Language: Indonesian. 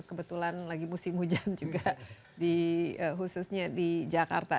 kebetulan lagi musim hujan juga khususnya di jakarta